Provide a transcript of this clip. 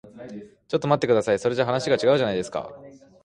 ちょっと待ってください。それじゃ話が違うじゃないですか。